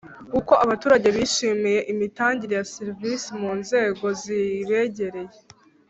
Uko Abaturage bishimiye imitangire ya serivisi mu nzego zibegereye